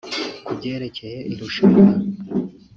Ku byerekeye irushanwa